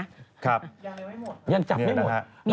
ยังจับไม่หมด